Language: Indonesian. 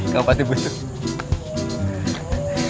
gak pasti butuh